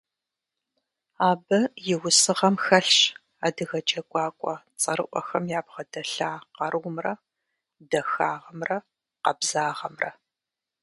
Абы и усыгъэм хэлъщ адыгэ джэгуакӀуэ цӀэрыӀуэхэм ябгъэдэлъа къарумрэ, дахагъымрэ, къабзагъэмрэ.